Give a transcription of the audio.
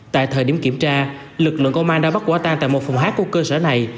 tại thời điểm kiểm tra lực lượng công an đã bắt quả tan tại một phòng hát của cơ sở này